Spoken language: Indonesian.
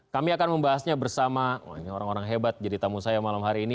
kami akan membahasnya bersama orang orang hebat jadi tamu saya malam hari ini